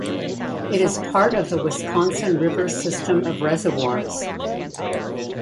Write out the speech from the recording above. It is part of the Wisconsin River system of reservoirs.